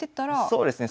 そうですね